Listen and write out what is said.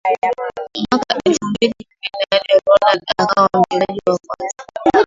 Mwaka elfu mbili kumi na nne Ronaldo akawa mchezaji wa kwanza